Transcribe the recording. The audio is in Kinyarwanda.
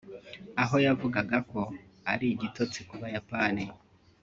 aho yavugaga ko ari igitotsi ku bayapani